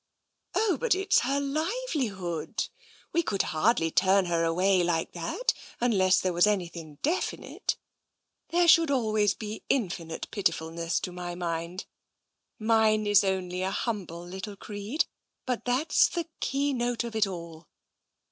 " Oh, but it's her livelihood! We could hardly turn her away like that, unless there was anything definite. There should always be infinite piti fulness, to my mind. Mine is only a humble little creed, but that's the key note of it all.